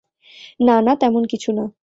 না, না, তেমন কিছু না।